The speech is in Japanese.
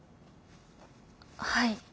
はい。